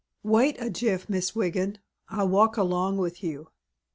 Wait a jiff, Miss Wiggin. I'll walk along with you."